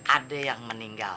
ada yang meninggal